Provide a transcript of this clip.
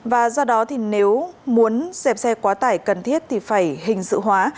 và do đó thì nếu muốn dẹp xe quá tải cần thiết thì phải hình sự hóa